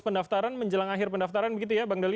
pendaftaran menjelang akhir pendaftaran begitu ya bang deli